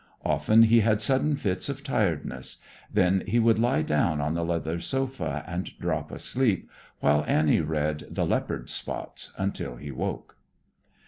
Often he had sudden fits of tiredness; then he would lie down on the leather sofa and drop asleep, while Annie read "The Leopard's Spots" until he awoke.